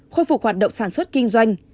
khôi phục hoạt động sản xuất kinh doanh